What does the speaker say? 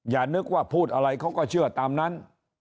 อย่านึกว่าพูดอะไรเขาก็เชื่อตามนั้น